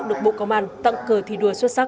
được bộ công an tặng cờ thi đua xuất sắc